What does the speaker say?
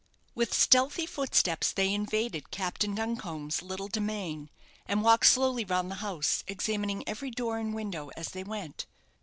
With stealthy footsteps they invaded Captain Duncombe's little domain, and walked slowly round the house, examining every door and window as they went.